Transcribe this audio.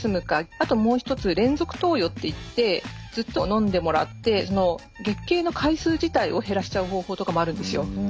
あともう一つ連続投与っていってずっとのんでもらって月経の回数自体を減らしちゃう方法とかもあるんですよ。